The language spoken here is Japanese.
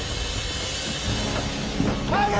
早く！